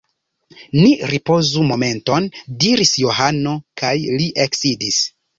Ni ripozu momenton, diris Johano, kaj li eksidis.